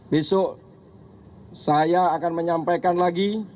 besok saya akan menyampaikan lagi